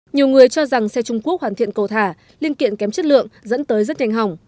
nhiều người cho rằng xe trung quốc hoàn thiện cầu thả liên kiện kém chất lượng dẫn tới rất nhanh hỏng